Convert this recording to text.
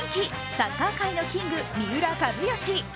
サッカー界のキング、三浦知良。